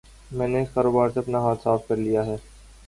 میں نے اس کاروبار سے اپنے ہاتھ صاف کر لیئے ہے۔